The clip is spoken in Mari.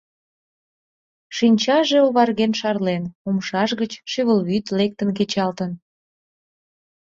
Шинчаже оварген шарлен, умшаж гыч шӱвылвӱд лектын кечалтын.